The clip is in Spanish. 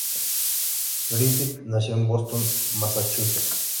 Griffith nació en Boston, Massachusetts.